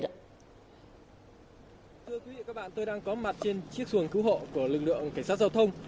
thưa quý vị và các bạn tôi đang có mặt trên chiếc xuồng cứu hộ của lực lượng cảnh sát giao thông